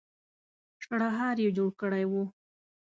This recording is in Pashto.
شړهار يې جوړ کړی و.